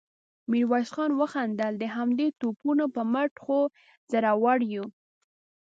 ميرويس خان وخندل: د همدې توپونو په مټ خو زړور يو.